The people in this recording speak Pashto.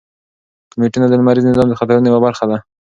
کومیټونه د لمریز نظام د خطرونو یوه برخه ده.